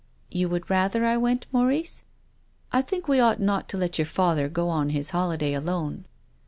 '* You would rather I went, Maurice? "" I think we ought not to let your father go on his holiday alone."